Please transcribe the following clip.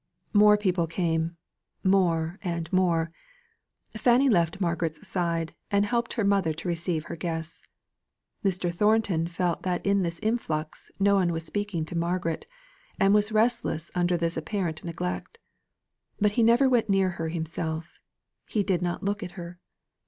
More people came more and more. Fanny left Margaret's side and helped her mother to receive her guests. Mr. Thornton felt that in this influx no one was speaking to Margaret, and was restless under this apparent neglect. But he never went near her himself; he did not look at her.